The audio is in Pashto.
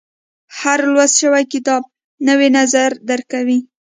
• هر لوستل شوی کتاب، نوی نظر درکوي.